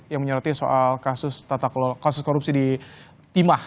yang menyertai soal kasus korupsi di timah terima kasih